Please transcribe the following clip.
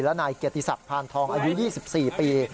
และนายเกียรติศักดิ์พานทองอายุ๒๔ปี